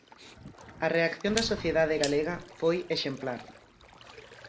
A reacción da sociedade galega foi exemplar.